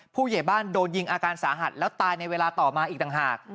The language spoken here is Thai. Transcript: ผู้ใหญ่บ้านโดนยิงอาการสาหัสแล้วตายในเวลาต่อมาอีกต่างหาก